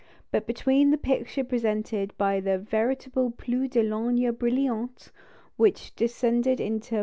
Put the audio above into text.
" But between the picture presented by the "véritable pluie de lignes brilliantes," which descended into M.